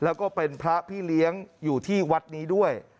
แล้วก็เป็นพระพี่เลี้ยงอยู่ที่วัดนี้ด้วย